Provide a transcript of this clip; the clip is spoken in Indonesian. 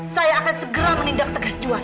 saya akan segera menindak tegas juan